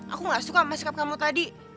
aku gak suka sama sikap kamu tadi